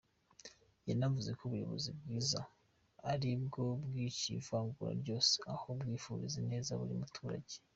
Yanavuze ko ubuyobozi bwiza ari bwo bwaciye ivangura ryose, aho bwifuriza ineza buri muturage.